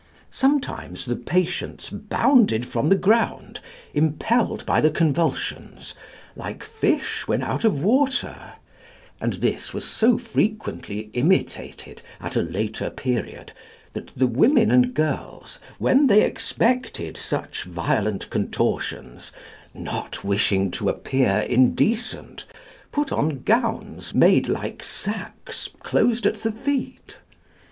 Sometimes the patients bounded from the ground, impelled by the convulsions, like fish when out of water; and this was so frequently imitated at a later period that the women and girls, when they expected such violent contortions, not wishing to appear indecent, put on gowns make like sacks, closed at the feet.